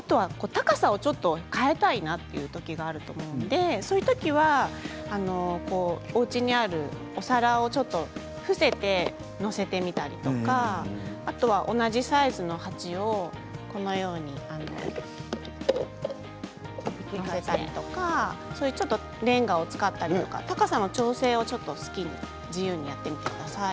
高さをちょっと変えたいなというときがあると思いますのでそういうときにはおうちにあるお皿をちょっと伏せて載せてみたりとか同じサイズの鉢をこのようにひっくり返して載せたりれんがを使ったり高さの調整を自由にやってみてください。